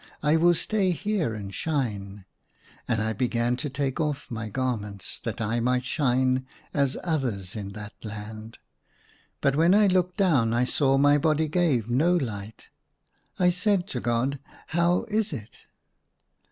I will stay here and shine." And I began to take off my garments, that I might shine as others in that land ; but when I looked down I saw my body gave no light. I said to God, "How is it?"